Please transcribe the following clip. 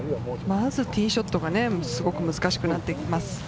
まず、ティーショットがすごく難しくなってきます。